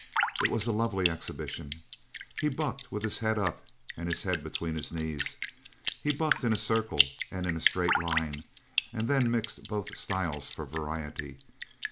It was a lovely exhibition. He bucked with his head up and his head between his knees. He bucked in a circle and in a straight line and then mixed both styles for variety.